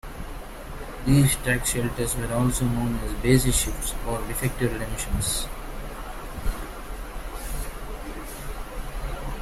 These tax shelters were also known as "basis shifts" or "defective redemptions.